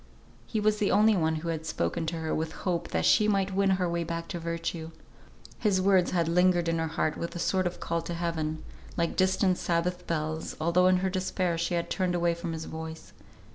He was the only one who had spoken to her with hope, that she might yet win her way back to virtue. His words had lingered in her heart with a sort of call to Heaven, like distant Sabbath bells, although in her despair she had turned away from his voice.